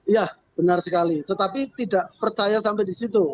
iya benar sekali tetapi tidak percaya sampai di situ